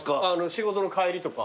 仕事の帰りとか。